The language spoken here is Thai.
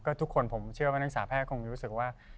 ทุกคนผมเชื่อว่านักศาแพทย์คงรู้สึกว่า